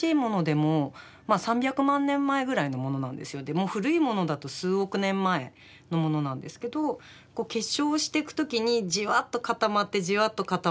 もう古いものだと数億年前のものなんですけどこう結晶していく時にじわっと固まってじわっと固まってっていうふうに。